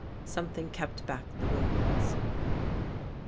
Something kept back the ^?vords.